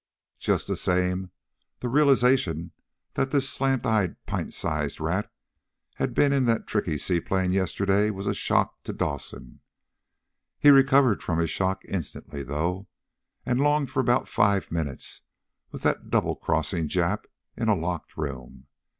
Just the same, the realization that this slant eyed, pint sized rat had been in that tricky seaplane yesterday was a shock to Dawson. He recovered from his shock instantly, though, and longed for about five minutes with that double crossing Jap in a locked room.